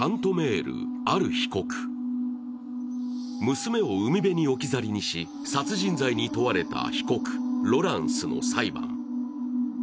娘を海辺に置き去りにし殺人際に問われた被告・ロランスの裁判。